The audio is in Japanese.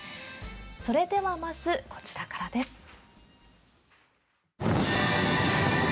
それでは、まずこちらからです。